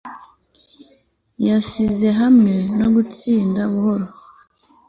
yasinze hamwe no gutinda buhoro